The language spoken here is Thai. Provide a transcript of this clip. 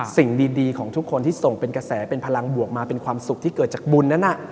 สิ่งดีของทุกคนที่ส่งเป็นกระแสเป็นพลังบวกมาเป็นความสุขที่เกิดจากบุญนั้น